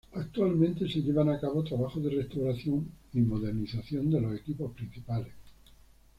Actualmente se llevan a cabo trabajos de restauración y modernización de los equipos principales.